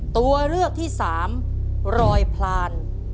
ตัวเลือกที่สามรอยพลาน